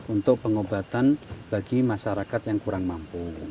untuk pengobatan bagi masyarakat yang kurang mampu